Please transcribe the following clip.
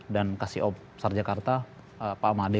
dan kasiop sar jakarta pak amade